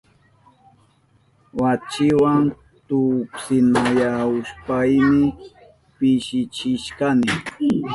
Wachiwa tuksinayahushpayni pishichishkani.